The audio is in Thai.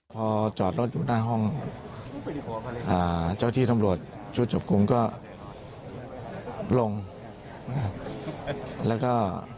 พอจอดรถอยู่หน้าห้องอ่าเจ้าที่ทำรวจชุดจบกรุงก็ลงอ่าแล้วก็